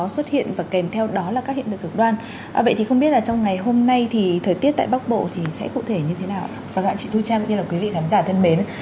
xin chào quý vị khán giả thân mến